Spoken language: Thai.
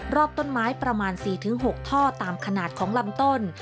รอบต้นไม้ประมาณ๔๖ท่อตามขนาดของลำต้น